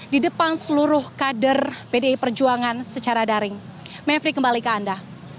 di depan seluruh kader pdi perjuangan secara daring mevri kembali ke anda